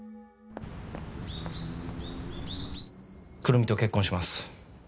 久留美と結婚します。